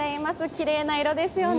きれいな色ですよね。